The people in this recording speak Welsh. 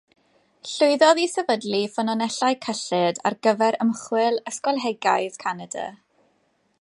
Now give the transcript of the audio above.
Llwyddodd i sefydlu ffynonellau cyllid ar gyfer ymchwil ysgolheigaidd Canada.